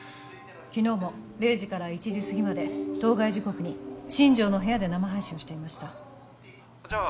昨日も０時から１時すぎまで当該時刻に新城の部屋で生配信をしていましたじゃあ